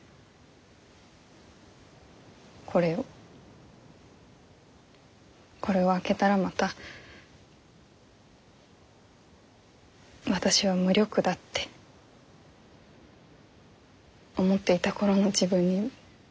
これをこれを開けたらまた私は無力だって思っていた頃の自分に戻ってしまうんじゃないかって。